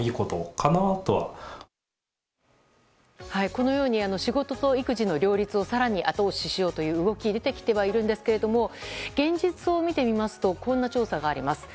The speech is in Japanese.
このように仕事と育児の両立を更に後押ししようという動きが出てきてはいるんですけど現実を見てみますとこんな調査があります。